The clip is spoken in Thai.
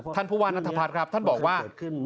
ท่านภูวรรณนัทภัทรครับท่านบอกว่า